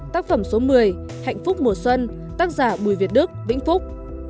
tác phẩm số một mươi hạnh phúc mùa xuân tác giả bùi việt đức vĩnh phúc